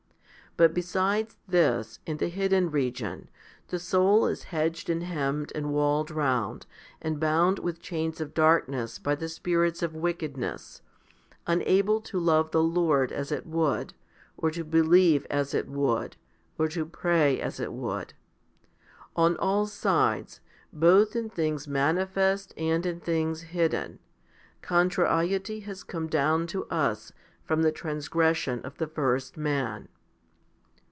But besides this, in the hidden region, the soul is hedged and hemmed and walled round, and bound with chains of darkness by the 1 Eph. vi. 12. 168 HOMILY XXI 169 spirits of wickedness, unable to love the Lord as it would, or to believe as it would, or to pray as it would. On all sides, both in things manifest and in things hidden, contrariety has come down to us from the transgression of the first man.